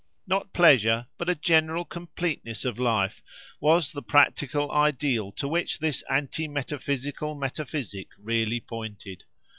Not pleasure, but a general completeness of life, was the practical ideal to which this anti metaphysical metaphysic really pointed.